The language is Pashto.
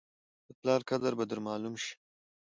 د پلار قدر به در معلوم شي !